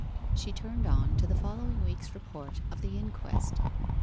She turned on to the following week's report of the inquest.